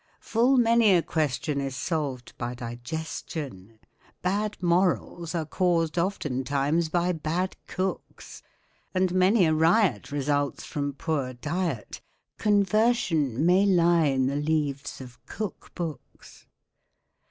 Full many a question is solved by digestion. Bad morals are caused, oftentimes by bad cooks, And many a riot results from poor diet Conversion may lie in the leaves of cook books.